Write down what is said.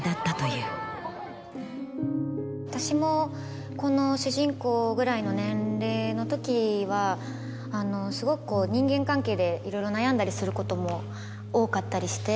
私もこの主人公ぐらいの年齢の時はすごく人間関係でいろいろ悩んだりすることも多かったりして。